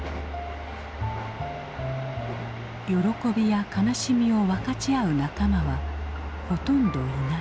喜びや悲しみを分かち合う仲間はほとんどいない。